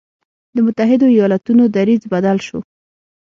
د متحدو ایالتونو دریځ بدل شو.